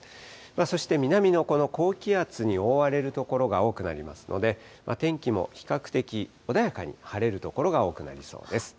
そして南のこの高気圧に覆われる所が多くなりますので、天気も比較的穏やかに晴れる所が多くなりそうです。